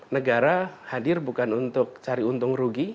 negara hadir bukan untuk cari untung rugi